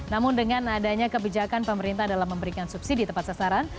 namun dengan adanya kebijakan pemerintah dalam memberikan subsidi tepat sasaran